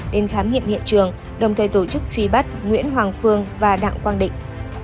đến khám nghiệm hiện trường đồng thời tổ chức truy bắt nguyễn hoàng phương và đặng quang định